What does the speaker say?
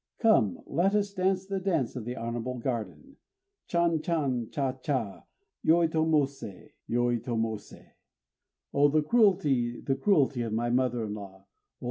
_ Come! let us dance the Dance of the Honorable Garden! Chan chan! Cha cha! Yoitomosé, Yoitomosé! Oh! the cruelty, the cruelty of my mother in law! _Oh!